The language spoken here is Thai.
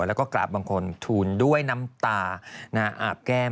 แล้วก็กราบบังคลทูลด้วยน้ำตาอาบแก้ม